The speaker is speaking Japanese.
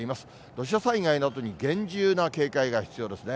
土砂災害などに厳重な警戒が必要ですね。